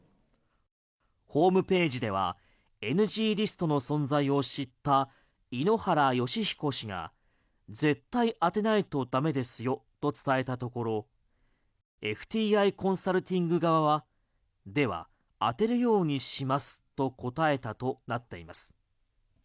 ホームページではＮＧリストの存在を知った井ノ原快彦氏が絶対当てないと駄目ですよと伝えたところＦＴＩコンサルティング側はでは、当てるようにしますと答えたとなっています。